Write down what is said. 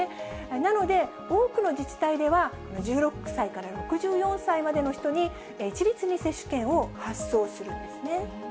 なので、多くの自治体では１６歳から６４歳までの人に、一律に接種券を発送するんですね。